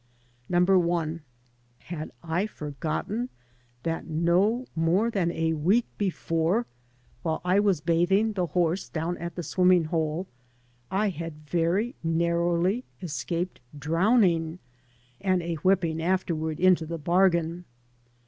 Number one: had I forgotten that no more than a week before, while I was bathing the horse down at the swimming hole, I had very narrowly escaped drowning, and a whipping afterward into the bargain?